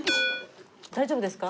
大丈夫ですか？